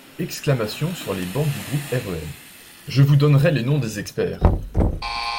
(Exclamations sur les bancs du groupe REM.) Je vous donnerai les noms des experts.